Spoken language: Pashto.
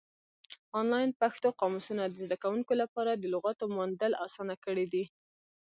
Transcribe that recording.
آنلاین پښتو قاموسونه د زده کوونکو لپاره د لغاتو موندل اسانه کړي دي.